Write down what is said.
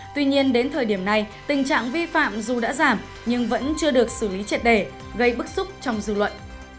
tuy nhiên đến thời điểm này tình trạng vi phạm dù đã giảm nhưng vẫn chưa được xử lý triệt đề gây bức xúc trong dư luận